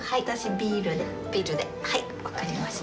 ビールではい分かりました。